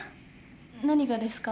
何がですか？